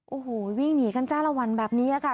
โอ้โหวิ่งหนีกันจ้าละวันแบบนี้ค่ะ